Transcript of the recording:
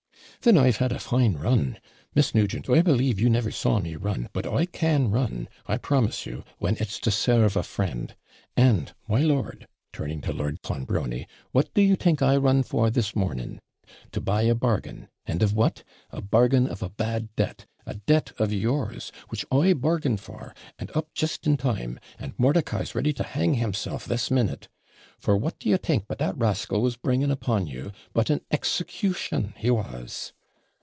'Then I've had a fine run Miss Nugent, I believe you never saw me run; but I can run, I promise you, when it's to serve a friend. And, my lord (turning to Lord Clonbrony), what do you think I run for this morning to buy a bargain and of what! a bargain of a bad debt a debt of yours, which I bargained for, and up just in time and Mordicai's ready to hang himself this minute. For what do you think but that rascal was bringing upon you but an execution? he was.'